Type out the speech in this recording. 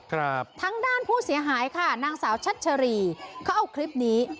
ทางด้านผู้เสียหายค่ะนางสาวชัชรีเขาเอาคลิปนี้